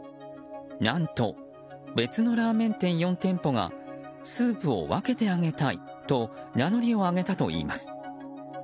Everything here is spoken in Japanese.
何と、別のラーメン店４店舗がスープを分けてあげたいと名乗りを上げたといいます。